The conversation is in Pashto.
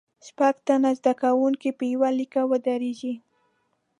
شپږ تنه زده کوونکي په یوه لیکه ودریږئ.